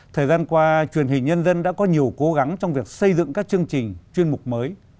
thời gian qua truyền hình nhân dân đã có nhiều cố gắng trong việc xây dựng các chương trình chuyên mục mới